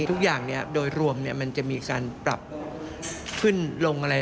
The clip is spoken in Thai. ทุกอย่างโดยรวมมันจะมีการปรับขึ้นลงอะไร